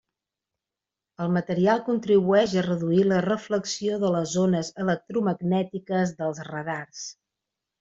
El material contribueix a reduir la reflexió de les ones electromagnètiques dels radars.